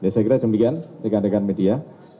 saya kira demikian dikandalkan media